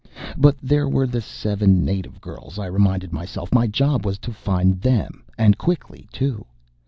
But there were the seven native girls, I reminded myself. My job was to find them, and quickly, too.